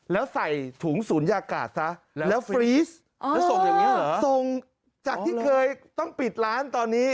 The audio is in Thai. แล้วส่งอย่างนี้เหรออ๋อส่งจากที่เคยต้องปิดร้านตอนนี้